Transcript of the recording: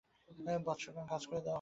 বত্সগণ, কাজ করে যাও।